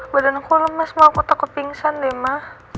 badan aku lemas semua aku takut pingsan deh ma